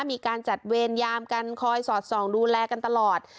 มีการจัดเวรยามกันคอยสอดส่องดูแลกันตลอด